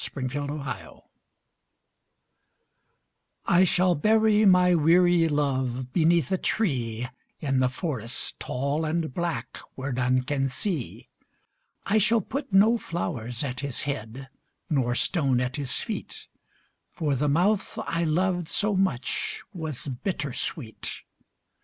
Buried Love I shall bury my weary Love Beneath a tree, In the forest tall and black Where none can see. I shall put no flowers at his head, Nor stone at his feet, For the mouth I loved so much Was bittersweet.